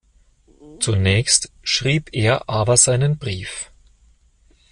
Zunächst schrieb er aber seinen Brief.